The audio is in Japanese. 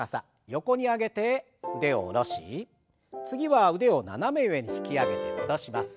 横に上げて腕を下ろし次は腕を斜め上に引き上げて戻します。